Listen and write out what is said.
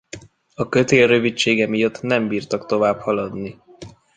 A kötél rövidsége miatt nem bírtak tovább haladni.